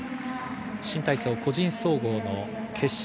新体操個人総合決勝。